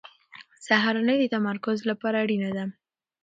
سهارنۍ د تمرکز لپاره اړینه ده.